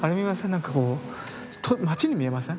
何かこう町に見えません？